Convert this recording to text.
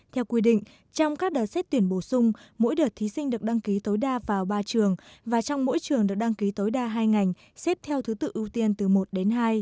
theo quy định trong các đợt xét tuyển bổ sung mỗi đợt thí sinh được đăng ký tối đa vào ba trường và trong mỗi trường được đăng ký tối đa hai ngành xếp theo thứ tự ưu tiên từ một đến hai